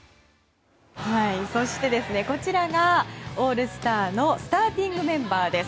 そして、こちらがオールスターのスターティングメンバーです。